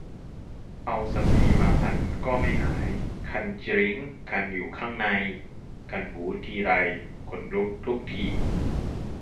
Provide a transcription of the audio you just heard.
เอาสำลีมาพันก็ไม่หาย คันจริ๊ง คันอยู่ข้างใน คันหูทีไรขนลุกทุกที